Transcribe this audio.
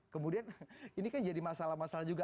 kemudian ini kan jadi masalah masalah juga